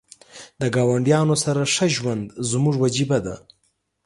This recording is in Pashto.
د ګاونډیانو سره ښه ژوند زموږ وجیبه ده .